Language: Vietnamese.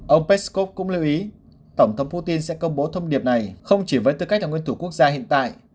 ông peskov cũng lưu ý tổng thống putin sẽ công bố thông điệp này không chỉ với tư cách là nguyên thủ quốc gia hiện tại